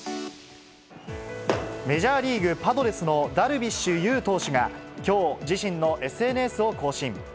メジャーリーグ・パドレスのダルビッシュ有投手がきょう、自身のＳＮＳを更新。